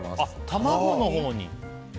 卵のほうに？